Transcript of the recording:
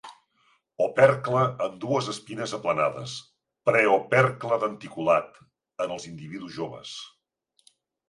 Opercle amb dues espines aplanades, preopercle denticulat en els individus joves.